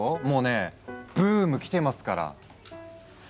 もうねブーム来てますから。